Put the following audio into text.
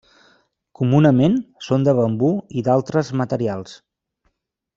Comunament són de bambú i d'altres materials.